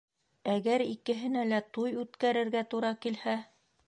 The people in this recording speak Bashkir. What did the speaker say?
Әгәр икеһенә лә туй үткәрергә тура килһә!..